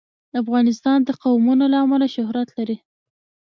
افغانستان د قومونه له امله شهرت لري.